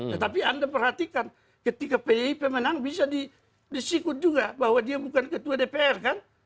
tetapi anda perhatikan ketika pdip menang bisa disikut juga bahwa dia bukan ketua dpr kan